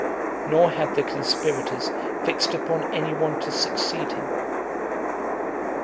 Nor had the conspirators fixed upon any one to succeed him.